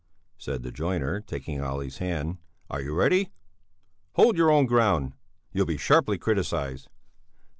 said the joiner, taking Olle's hand. "Are you ready? Hold your own ground, you'll be sharply criticized."